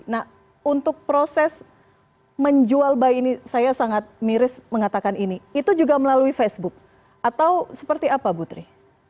nah untuk proses menjual bayi ini saya sangat miris mengatakan ini itu juga melalui facebook atau seperti apa butri